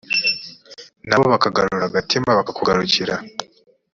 nabo bakagarura agatima bakakugarukira